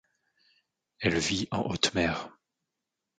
Elle vit en haute mer.